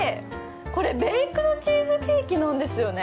これベイクドチーズケーキなんですよね。